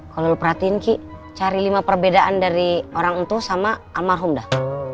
kalau lo perhatiin kiki cari lima perbedaan dari orang untuk sama almarhum dah